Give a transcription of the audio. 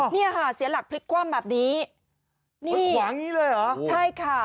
อ๋อเนี่ยค่ะเสียหลักพลิกคว่ำแบบนี้นี่คว่างี้เลยเหรอใช่ค่ะ